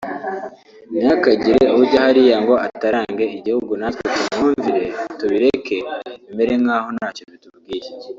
ntihakagire ujya hariya ngo atarange igihugu natwe twumwumvire tubireke bimere nk’aho ntacyo bitubwiye